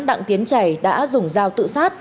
đặng tiến trày đã dùng dao tự sát